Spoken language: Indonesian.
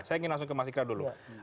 saya ingin langsung ke mas ikra dulu